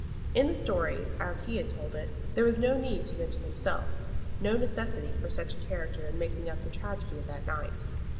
In the story, as he had told it, there was no need to mention himself, no necessity for such a character in making up the tragedy of that night.